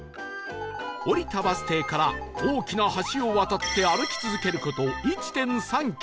降りたバス停から大きな橋を渡って歩き続ける事 １．３ キロ